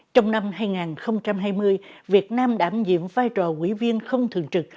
trong năm hai nghìn hai mươi việt nam đảm nhiệm vai trò quỹ viên không thường trực